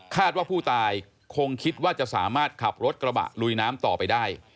ว่าผู้ตายคงคิดว่าจะสามารถขับรถกระบะลุยน้ำต่อไปได้